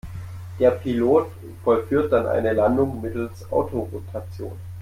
Der Pilot vollführt dann eine Landung mittels Autorotation.